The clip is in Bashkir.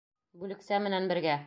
Бүлексә менән бергә.